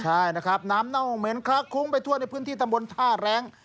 ใช่นะครับน้ำเน่าเหม็นคลักคุ้งไปทั่วในพื้นที่ตำบลท่าแรง